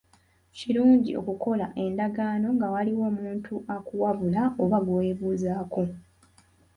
Kirungi okukola endagaano nga waliwo omuntu akuwabula oba gwe weebuuzaako.